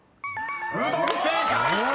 ［「うどん」正解！］